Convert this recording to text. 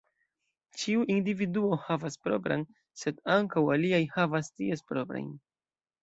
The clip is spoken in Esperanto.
Ĉiu individuo havas propran, sed ankaŭ aliaj havas ties proprajn.